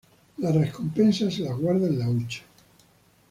Las recompensas se las guardan en la hucha.